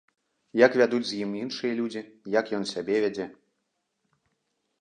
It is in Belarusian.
Як вядуць з ім іншыя людзі, як ён сябе вядзе.